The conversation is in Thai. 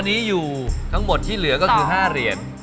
ตอนนี้อยู่ทั้งหมดที่เหลือก็คือ๕เหรียญ